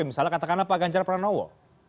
misalnya katakanlah pak ganjar pranowo